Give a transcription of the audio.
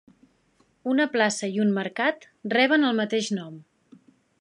Una plaça i un mercat reben el mateix nom.